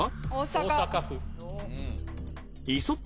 大阪府。